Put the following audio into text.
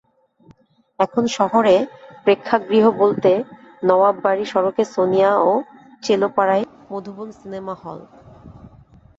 এখন শহরে প্রেক্ষাগৃহ বলতে নওয়াববাড়ি সড়কে সোনিয়া ও চেলোপাড়ায় মধুবন সিনেমা হল।